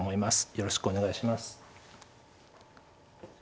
よろしくお願いします。